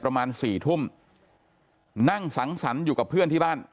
ประมาณสี่ทุ่มนั่งสังสรรค์อยู่กับเพื่อนที่บ้าน